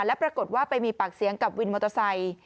และปรากฏว่าไปมีปากเสียงกับวินมอเตอร์ไซค์